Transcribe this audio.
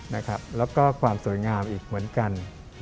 แล้วก็ความสวยงามอีกเหมือนกัน